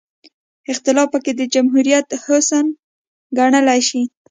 اختلاف پکې د جمهوریت حسن ګڼلی شي.